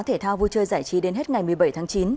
thể thao vui chơi giải trí đến hết ngày một mươi bảy tháng chín